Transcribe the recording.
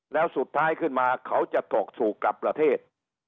แล้วสุดท้ายขึ้นมาเขาจะตกสู่กลับประเทศ